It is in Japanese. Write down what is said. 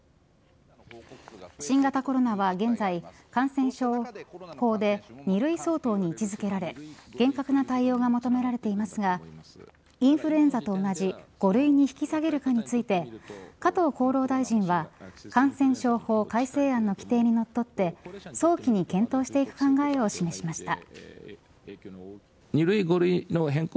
新型コロナは現在感染症法で２類相当に位置付けられ厳格な対応が求められていますがインフルエンザと同じ５類に引き下げるかについて加藤厚労大臣は感染症法改正案の規定にのっとって早期に検討していく考えを示しました。